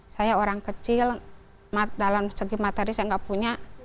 saya orang kecil dalam segi materi saya nggak punya